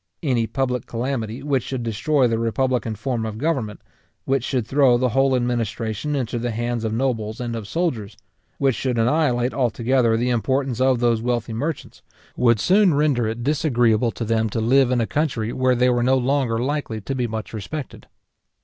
Any public calamity which should destroy the republican form of government, which should throw the whole administration into the hands of nobles and of soldiers, which should annihilate altogether the importance of those wealthy merchants, would soon render it disagreeable to them to live in a country where they were no longer likely to be much respected.